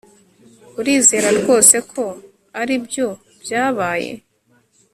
urizera rwose ko aribyo byabaye